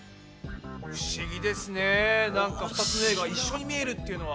不思議ですねなんか２つの絵が一緒に見えるっていうのは。